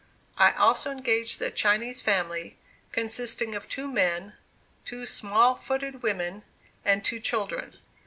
I also engaged the Chinese Family, consisting of two men, two "small footed" women and two children.